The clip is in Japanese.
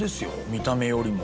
見た目よりも。